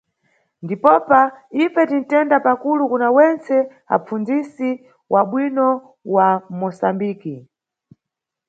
Ndipopa ife tinʼtenda pakulu kuna mwentse apfundzisi wabwino wa mʼMosambiki.